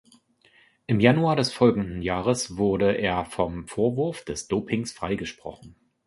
Im Januar des folgenden Jahres wurde er vom Vorwurf des Dopings freigesprochen.